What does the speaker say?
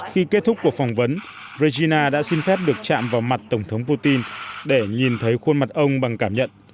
khi kết thúc cuộc phỏng vấn regina đã xin phép được chạm vào mặt tổng thống putin để nhìn thấy khuôn mặt ông bằng cảm nhận